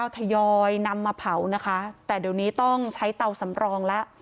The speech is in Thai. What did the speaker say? ทยอยนำมาเผานะคะแต่เดี๋ยวนี้ต้องใช้เตาสำรองแล้ว